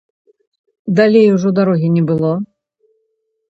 Далей ужо дарогі не было.